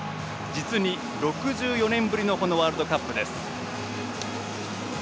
実に６４年ぶりのワールドカップです。